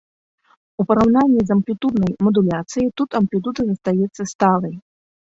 У параўнанні з амплітуднай мадуляцыяй тут амплітуда застаецца сталай.